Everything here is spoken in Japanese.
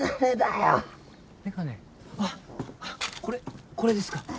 これこれですか？